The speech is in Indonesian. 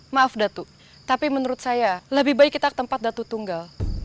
maaf datu tapi menurut saya lebih baik kita ke tempat datu tunggal